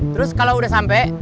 terus kalau udah sampe